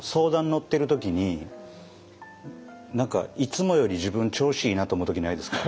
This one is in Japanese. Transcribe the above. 乗ってる時に何かいつもより自分調子いいなと思う時ないですか？